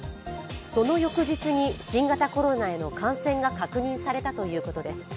その翌日に新型コロナへの感染が確認されたということです。